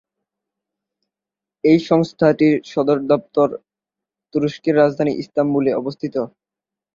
এই সংস্থার সদর দপ্তর তুরস্কের রাজধানী ইস্তাম্বুলে অবস্থিত।